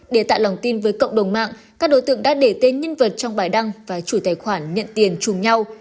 để tạo lòng tin với cộng đồng mạng các đối tượng đã để tên nhân vật trong bài đăng và chủ tài khoản nhận tiền chùm nhau